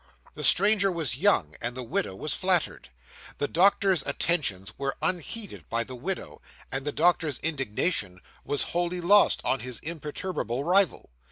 The stranger was young, and the widow was flattered. The doctor's attentions were unheeded by the widow; and the doctor's indignation was wholly lost on his imperturbable rival.